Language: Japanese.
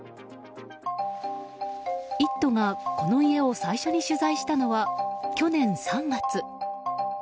「イット！」が、この家を最初に取材したのは去年３月。